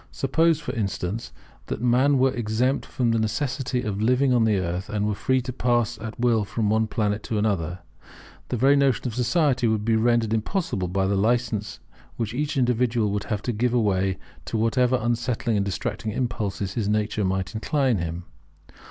Suppose, for instance, that man were exempt from the necessity of living on the earth, and were free to pass at will from one planet to another, the very notion of society would be rendered impossible by the licence which each individual would have to give way to whatever unsettling and distracting impulses his nature might incline him.